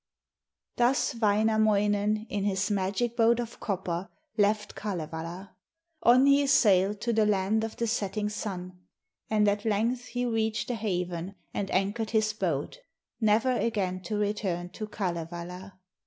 Thus Wainamoinen, in his magic boat of copper, left Kalevala. On he sailed to the land of the setting sun, and at length he reached the haven and anchored his boat, never again to return to Kalevala.